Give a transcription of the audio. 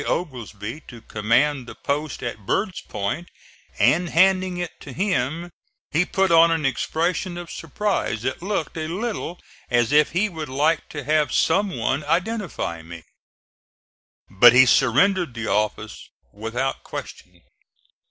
Oglesby to command the post at Bird's Point, and handing it to him, he put on an expression of surprise that looked a little as if he would like to have some one identify me. But he surrendered the office without question.